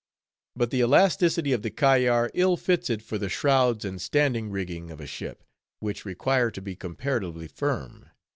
But the elasticity of the kayar ill fits it for the shrouds and standing rigging of a ship, which require to be comparatively firm.